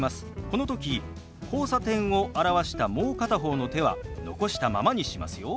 この時「交差点」を表したもう片方の手は残したままにしますよ。